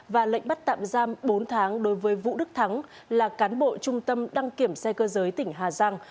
và lệnh bắt tạm giam bốn tháng đối với vũ đức thắng là cán bộ trung tâm đăng kiểm xe cơ giới tỉnh hà giang